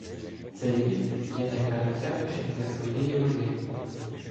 Цей рід є найхарактернішим для своєї родини.